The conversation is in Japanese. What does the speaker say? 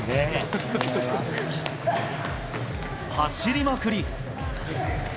走りまくり。